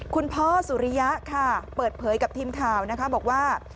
คุณพ่อสุริยะค่ะเปิดเผยกับทีมข่าวนะคะบอกว่า